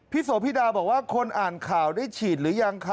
โสพิดาบอกว่าคนอ่านข่าวได้ฉีดหรือยังคะ